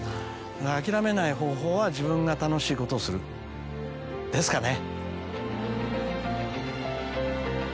諦めない方法は自分が楽しいことをするですかね。